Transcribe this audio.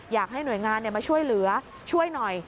อยากให้หน่วยงานมาช่วยเหลือช่วยหน่อย